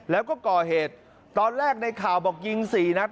แล้วก็ก่อเหตุตอนแรกในข่าวบอกยิง๔นัด